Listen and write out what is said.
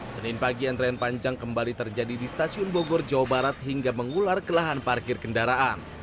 senin pagi antrean panjang kembali terjadi di stasiun bogor jawa barat hingga mengular ke lahan parkir kendaraan